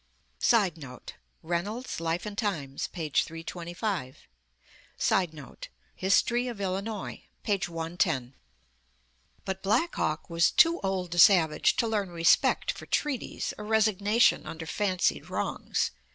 [Sidenote: Reynolds, "Life and Times," p. 325.] [Sidenote: Ford, "History of Illinois," p. 110.] But Black Hawk was too old a savage to learn respect for treaties or resignation under fancied wrongs.